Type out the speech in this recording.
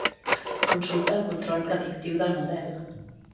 Consulta el control predictiu del model.